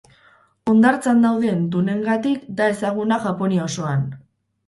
Hondartzan dauden dunengatik da ezaguna Japonia osoan.